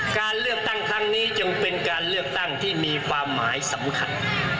การเลือกตั้งครั้งนี้จึงเป็นการเลือกตั้งที่มีความหมายสำคัญ